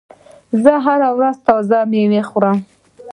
زه هره ورځ تازه میوه خورم.